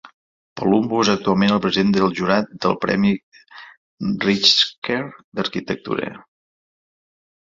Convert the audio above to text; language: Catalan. Palumbo és actualment el president del jurat del Premi Pritzker d'Arquitectura.